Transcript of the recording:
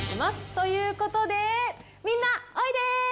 ということで、みんな、おいで！